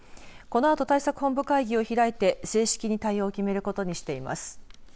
このあと、対策本部会議を開いて正式に対応を決めることにしています。